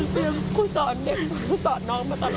ในฐานะครูขอโทษที่ไม่ได้ปกป้องเด็ก